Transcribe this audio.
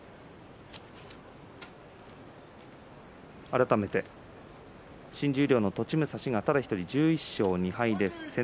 改めて新十両の栃武蔵ただ１人、１１勝２敗です。